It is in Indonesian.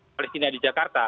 palestina di jakarta